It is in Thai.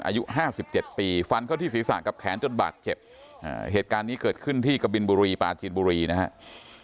อายุห้าสิบเจ็ดปีฟันเข้าที่ศีรษะกับแขนจนบาดเจ็บเหตุการณ์นี้เกิดขึ้นที่กบินบุรีปลาจีนบุรีนะครับ